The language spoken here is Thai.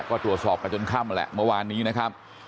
ก็ตรวจสอบกันจนค่ำนั่นแหละเมื่อวานนี้นะครับ